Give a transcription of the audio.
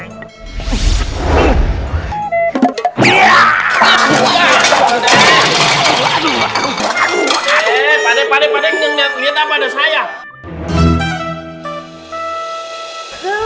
gede gede pada pada kena kita pada saya